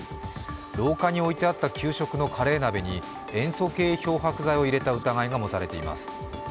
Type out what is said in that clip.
廊下に置いてあった給食のカレー鍋に塩素系漂白剤を入れた疑いが持たれています。